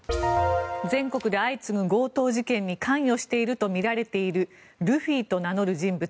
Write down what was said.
全国で相次ぐ強盗事件に関与しているとみられているルフィと名乗る人物。